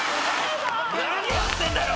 何やってんだよ！